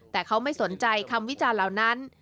แต่เขาไม่สนใจคำวิจารณ์เหล่านั้น